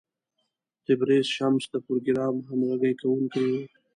تبریز شمس د پروګرام همغږی کوونکی و.